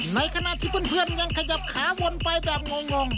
ในขณะที่เพื่อนยังขยับขาวนไปแบบงง